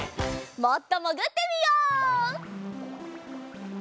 もっともぐってみよう！